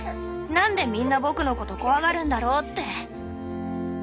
なんでみんな僕のこと怖がるんだろうって。